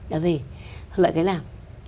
là gì hưởng lợi cái nào